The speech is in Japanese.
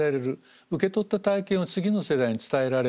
受け取った体験を次の世代に伝えられる。